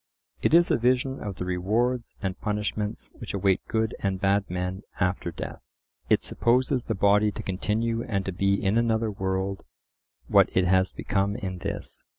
It is a vision of the rewards and punishments which await good and bad men after death. It supposes the body to continue and to be in another world what it has become in this.